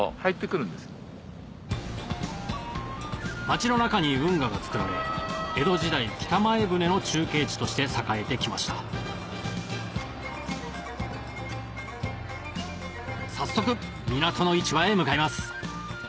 町の中に運河がつくられ江戸時代北前船の中継地として栄えて来ました早速港の市場へ向かいます